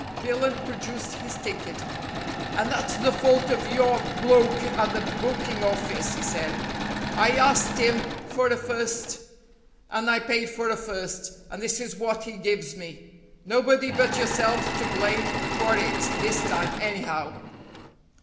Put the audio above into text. Billunt produced his ticket. "And that's the fault of your bloke at the booking office," he said. "I arst him for a first, and I paid for a first, and this is what he gives me. Nobody but yourselves to blame for it this time, anyhow."